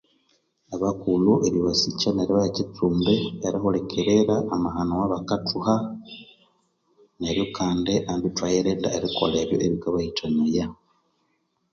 Abakulhu eribasikya neribaha ekistumbi nerihulikirira amahano owabakathuha neryo Kandi ambi ithwayirinda erikola ebyo ebikabahitanaya.